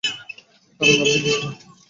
কারণ আপনি ভীত।